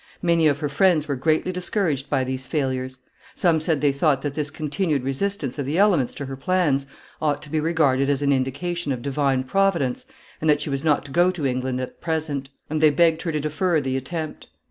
Many of her friends were greatly discouraged by these failures. Some said they thought that this continued resistance of the elements to her plans ought to be regarded as an indication of divine Providence that she was not to go to England at present, and they begged her to defer the attempt.